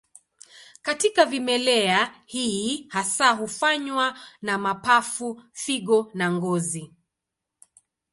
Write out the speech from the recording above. Katika vimelea, hii hasa hufanywa na mapafu, figo na ngozi.